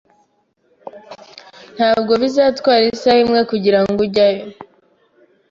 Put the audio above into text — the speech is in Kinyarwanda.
Ntabwo bizatwara isaha imwe kugirango ujyayo.